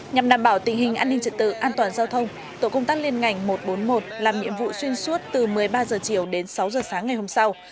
nhằm đảm bảo tình hình an ninh trật tự an toàn giao thông tổ công tác liên ngành một trăm bốn mươi một làm nhiệm vụ xuyên suốt từ một mươi ba h chiều đến sáu h sáng ngày hôm sau